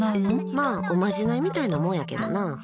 まあおまじないみたいなもんやけどな。